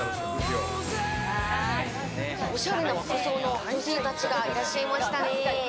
おしゃれな服装の女性たちがいらっしゃいましたね。